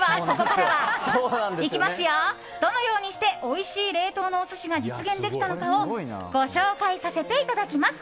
では、どのようにしておいしい冷凍のお寿司が実現できたのかをご紹介させていただきます。